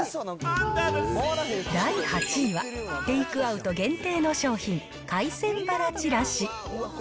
第８位は、テイクアウト限定の商品、海鮮ばらちらし。